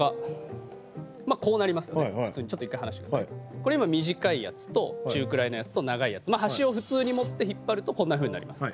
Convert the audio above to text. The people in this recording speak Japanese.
これ今短いやつと中くらいのやつと長いやつ端を普通に持って引っ張るとこんなふうになります。